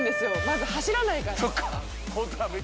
まず走らないから。